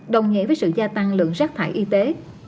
đồng nghĩa với sự gia tăng lượng rác thải y tế